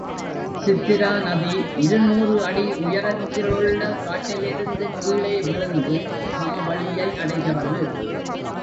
சித்திரா நதி இருநூறு அடி உயரத்திலுள்ள காட்டிலிருந்து கீழே விழுந்து சமவெளியை அடைகிறது.